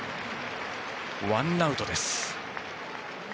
ワンアウトです。